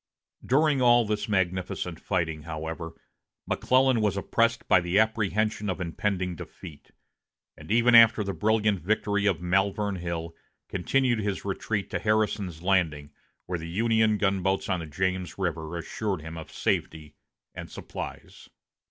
During all this magnificent fighting, however, McClellan was oppressed by the apprehension of impending defeat; and even after the brilliant victory of Malvern Hill, continued his retreat to Harrison's Landing, where the Union gunboats on the James River assured him of safety and supplies.